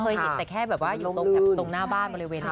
เห็นแต่แค่แบบว่าอยู่ตรงหน้าบ้านบริเวณนั้น